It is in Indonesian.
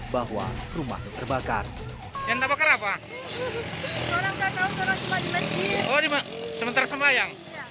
bahwa dia tidak akan berada di rumah makan